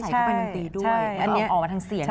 เขาใส่ก็เป็นดนตรีด้วย